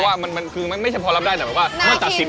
เพราะว่ามันคือไม่ใช่พอรับได้แต่ว่าเมื่อจัดสิน